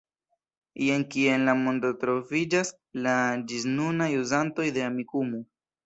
Jen kie en la mondo troviĝas la ĝisnunaj uzantoj de Amikumu.